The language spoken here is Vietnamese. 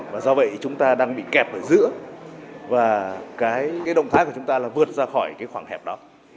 và do vậy chúng ta đang bị kẹp ở giữa và cái động thái của chúng ta là vượt ra khỏi cái khoảng hẹp đó